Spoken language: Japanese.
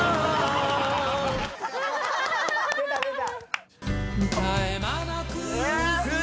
出た出た！